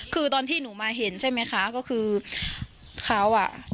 คือตอนที่หนูมาเห็นใช่ไหมคะก็คือเขาอ่ะ